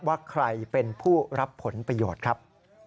ว่าใครเป็นผู้รับผลประโยชน์ครับ